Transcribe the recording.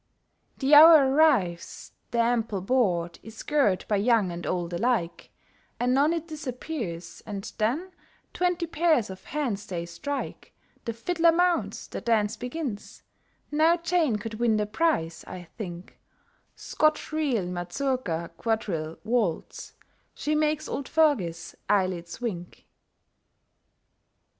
The hour arrives, the ample board Is girt by young and old alike, Anon it disappears, and then Twenty pairs of hands they strike, The fiddler mounts, the dance begins, Now Jane could win the prize, I think, Scotch reel, mazurka, quadrille, waltz, She make's old Fergie's eyelids wink.